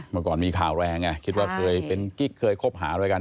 เมื่อก่อนมีข่าวแรงไงคิดว่าเคยเป็นกิ๊กเคยคบหาอะไรกัน